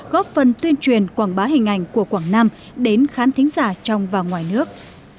góp phần tuyên truyền quảng bá hình ảnh của quảng nam đến khán thính giả trong và ngoài nước